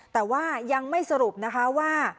แต่ว่ายังไม่สรุปว่า